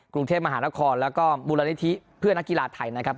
กรุงเทพมหานครแล้วก็มูลนิธิเพื่อนนักกีฬาไทยนะครับ